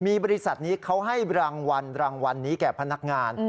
มีบริษัทนี้เขาให้รางวัลรางวัลนี้แก่พนักงาน